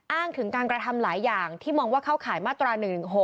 อ้างถึงการกระทำหลายอย่างที่มองว่าเข้าข่ายมาตรา๑๑๖